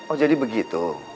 oh jadi begitu